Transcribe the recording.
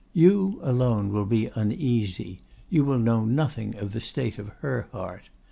You alone will be uneasy, you will know nothing of the state of her heart.